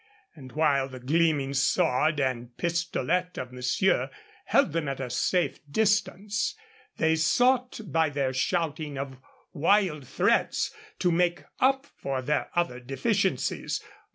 And while the gleaming sword and pistolet of monsieur held them at a safe distance, they sought by their shouting of wild threats to make up for their other deficiencies.